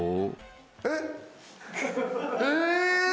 えっ？え！？